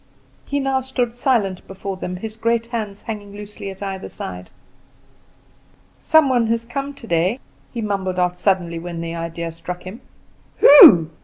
He now stood silent before them, his great hands hanging loosely at either side. "Some one has come today," he mumbled out suddenly, when the idea struck him. "Who?"